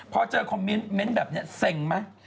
พอเจอคอมเมนต์แบบนี้เซ็งไหม